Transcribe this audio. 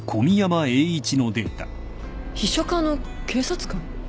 秘書課の警察官？